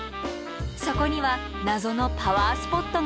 そこには謎のパワースポットが。